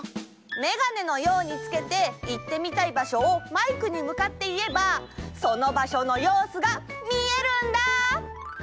メガネのようにつけていってみたい場所をマイクにむかっていえばその場所のようすがみえるんだ！